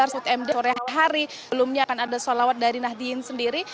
sebelumnya akan ada sholawat dari nahdien sendiri